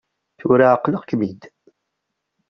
Tura εeqleɣ-kem-id.